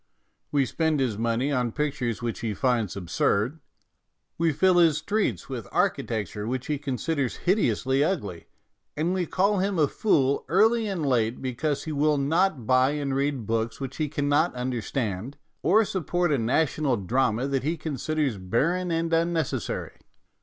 We spend his money on pictures which he finds absurd ; we fill his streets with architecture which he considers hideously ugly ; and we call him a fool early and late because he will not buy and read books which he cannot understand, or sup port a national drama that he considers barren and unnecessary.